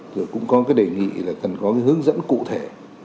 rồi cũng có đề nghị là cần có hướng dẫn cụ thể